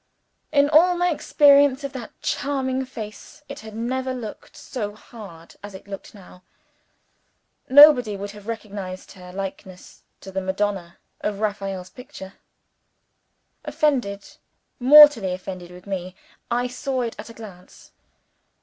In all my experience of that charming face, it had never looked so hard as it looked now. Nobody would have recognized her likeness to the Madonna of Raphael's picture. Offended mortally offended with me I saw it at a glance.